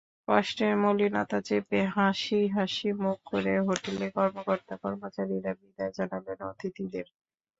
কষ্টের মলিনতা চেপে হাসিহাসি মুখ করে হোটেলের কর্মকর্তা-কর্মচারীরা বিদায় জানালেন অতিথিদের।